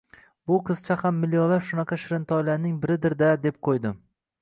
Bu qizcha ham milionlab shunaqa shirintoylarning biridirda deb qo'ydim